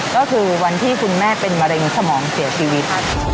ก็คือวันที่คุณแม่เป็นมะเร็งสมองเสียชีวิต